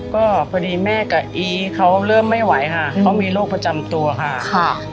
ก็พอดีแม่กับอีเขาเริ่มไม่ไหวค่ะเขามีโรคประจำตัวค่ะค่ะ